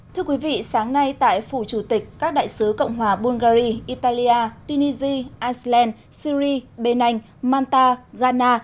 thưa quý vị sáng nay tại phủ chủ tịch các đại sứ cộng hòa bulgari italia tunisia iceland syri bên anh manta ghana